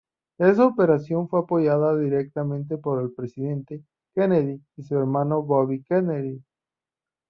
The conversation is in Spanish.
Esa operación fue apoyada directamente por el presidente Kennedy y su hermano Bobby Kennedy.